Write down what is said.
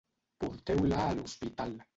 Porteu-la a l'hospital.